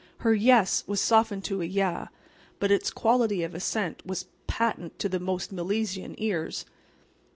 Her "yes" was softened to a "yah," but its quality of assent was patent to the most Milesian ears.